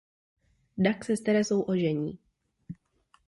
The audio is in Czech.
Dag se s Terezou ožení.